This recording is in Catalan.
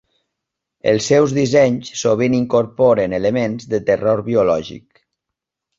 Els seus dissenys sovint incorporen elements de terror biològic.